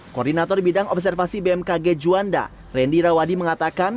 koordinator bidang observasi bmkg juanda randy rawadi mengatakan